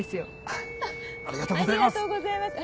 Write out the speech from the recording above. ありがとうございます。